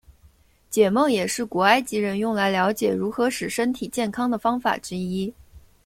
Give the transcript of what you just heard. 解梦也是古埃及人用来瞭解如何使身体健康的方法之一。